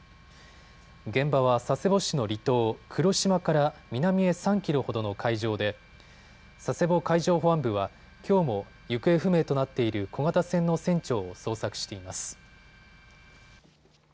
現場は佐世保市の離島、黒島から南へ３キロほどの海上で佐世保海上保安部はきょうも行方不明となっている小型船の船長を捜索しています。